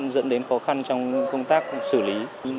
dẫn đến khó khăn trong công tác xử lý